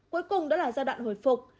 cuối cùng đó là giai đoạn hồi phục